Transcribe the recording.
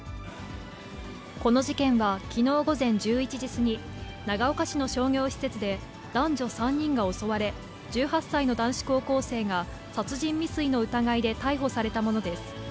この事件はきのう午前１１時過ぎ、長岡市の商業施設で男女３人が襲われ、１８歳の男子高校生が殺人未遂の疑いで逮捕されたものです。